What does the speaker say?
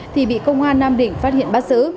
thì bị công an nam định phát hiện bắt giữ